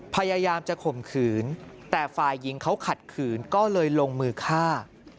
พยายามจะข่มขืนแต่ฝ่ายหญิงเขาขัดขืนก็เลยลงมือฆ่า